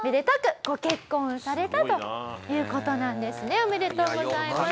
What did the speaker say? ありがとうございます。